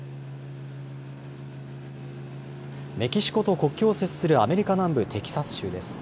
メキシコと国境を接するアメリカ南部テキサス州です。